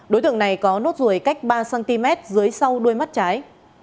đối tượng này có nốt ruồi cách ba cm dưới sau đuôi mắt trái